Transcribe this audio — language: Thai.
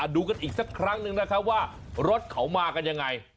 ดูกันอีกสักครั้งนึงนะครับว่ารถเขามากันยังไง